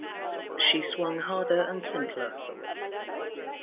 She swung harder and simpler.